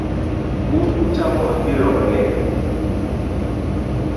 Un uchamo apilo mangeny